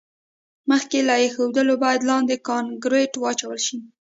مخکې له ایښودلو باید لاندې کانکریټ واچول شي